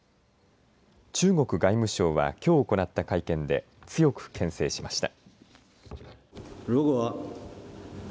中国外務省はきょう行った会見で強くけん制しました。